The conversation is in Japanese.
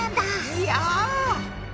いや！